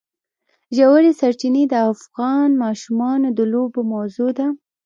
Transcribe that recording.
ژورې سرچینې د افغان ماشومانو د لوبو موضوع ده.